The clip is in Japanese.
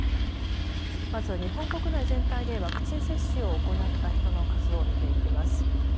まず、日本国内全体でワクチン接種を行った人の数を見ていきます。